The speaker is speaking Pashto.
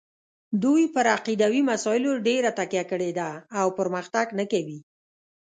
دوی پر عقیدوي مسایلو ډېره تکیه کړې ده او پرمختګ نه کوي.